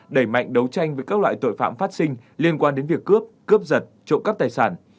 đẩy mạnh đấu tranh với các loại tội phạm phát sinh liên quan đến việc cướp cướp giật trộm cắp tài sản